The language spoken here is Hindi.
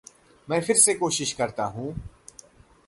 मै फिर से कोशिश करता हूँ।